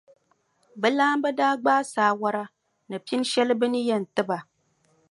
Bɛ laamba daa gbaai saawara ni pinʼ shɛli bɛ ni yɛn ti ba.